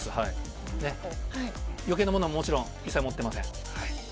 余計なものは一切持ってません。